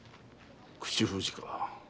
口封じか。